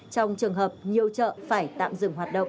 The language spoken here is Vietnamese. trong trường hợp nhiều chợ phải tạm dừng hoạt động